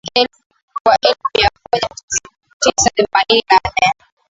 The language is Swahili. Wa elfu moja mia tisa themanini na nne